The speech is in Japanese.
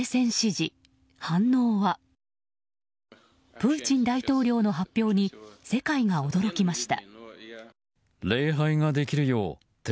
プーチン大統領の発表に世界が驚きました。